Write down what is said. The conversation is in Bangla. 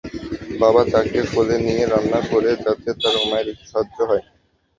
বাবা তাকে কোলে নিয়ে রান্না করে, যাতে তার মায়ের একটু সাহায্য হয়।